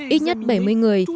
ít nhất bảy mươi người